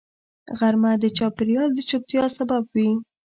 غرمه د چاپېریال د چوپتیا سبب وي